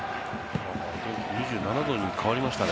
２７度に変わりましたね。